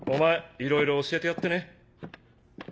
いろいろ教えてやってね。